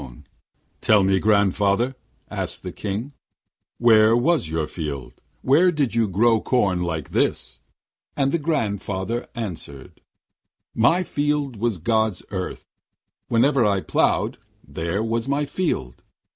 'Then tell me, grandfather,' asked the King, 'where was your field, where did you grow corn like this?' And the grandfather answered: 'My field was God's earth. Wherever I ploughed, there was my field.